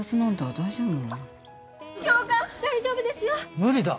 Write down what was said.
・大丈夫ですよ。無理だ。